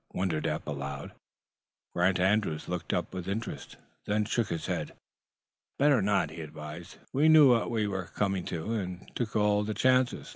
wondered Eph, aloud. Grant Andrews looked up with interest, then shook his head. "Better not," he advised. "We knew what we were coming to, and took all the chances.